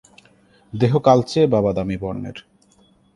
দেহ কালচে বা বাদামী বর্ণের।